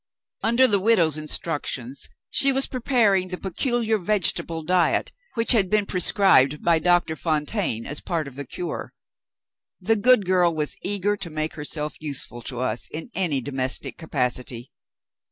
Under the widow's instructions, she was preparing the peculiar vegetable diet which had been prescribed by Doctor Fontaine as part of the cure. The good girl was eager to make herself useful to us in any domestic capacity.